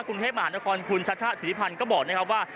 กรุงเทพมหานครคุณชัชชะศรีพันธ์ก็บอกนะครับว่า